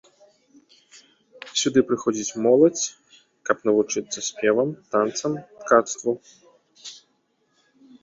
Сюды прыходзіць моладзь, каб навучацца спевам, танцам, ткацтву.